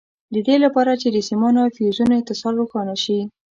د دې لپاره چې د سیمانو او فیوزونو اتصال روښانه شي.